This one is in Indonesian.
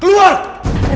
sekarang ga boleh keluar